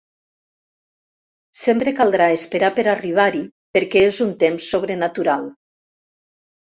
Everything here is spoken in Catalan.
Sempre caldrà esperar per arribar-hi perquè és un temps sobrenatural.